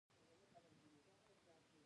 ټولنه څنګه اصلاح کړو؟